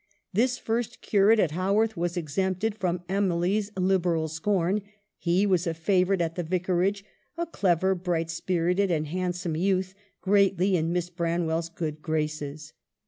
This first curate at Haworth was exempted from Emily's liberal scorn ; he was a favorite at the vicarage, a clever, bright spirited, and handsome youth, greatly in Miss Branwell's good graces.